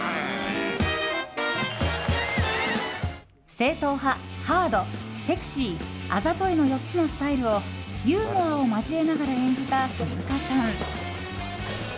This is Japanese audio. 正統派、ハード、セクシーあざといの４つのスタイルをユーモアを交えながら演じた鈴鹿さん。